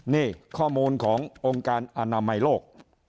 นี่ข้อมูลขององค์การอนามัยโลก